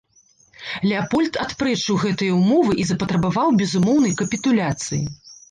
Леапольд адпрэчыў гэтыя ўмовы і запатрабаваў безумоўнай капітуляцыі.